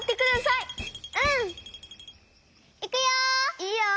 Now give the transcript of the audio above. いくよ！